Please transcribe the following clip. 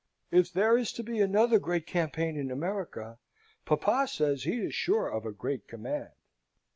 If there is to be another great campaign in America, papa says he is sure of a great command."